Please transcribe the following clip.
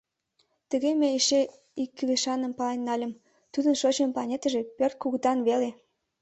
Тыге мый эше ик кӱлешаным пален нальым: тудын шочмо планетыже пӧрт кугытан веле!